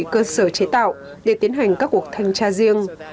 bảy trăm ba mươi bảy cơ sở chế tạo để tiến hành các cuộc thanh tra riêng